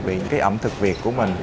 vì cái ẩm thực việt của mình